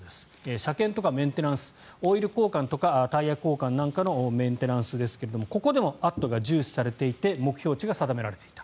車検とかメンテナンスオイル交換とかタイヤ交換なんかのメンテナンスですがここでも「＠」が重視されていて目標値が定められていた。